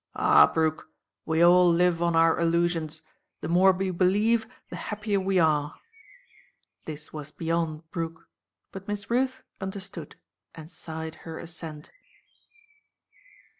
"Ah, Brooke! We all live on our illusions. The more we believe, the happier we are!" This was beyond Brooke; but Miss Ruth understood and sighed her assent.